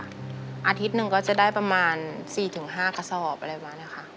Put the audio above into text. อาทิตย์หนึ่งก็จะได้ประมาณ๔๕กระสอบอะไรประมาณนี้ค่ะ